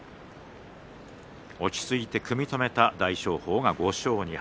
落ち着いて組み止めた大翔鵬が５勝２敗。